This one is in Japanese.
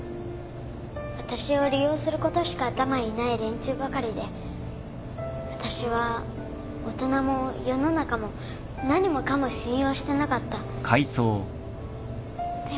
わたしを利用することしか頭にない連中ばかりでわたしは大人も世の中も何もかも信用してなかった。